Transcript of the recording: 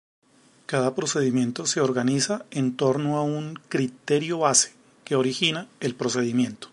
Cada procedimiento se organiza en torno a un "criterio-base" que origina el procedimiento.